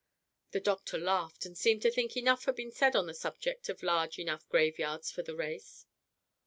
The doctor laughed and seemed to think enough had been said on the subject of large enough graveyards for the race.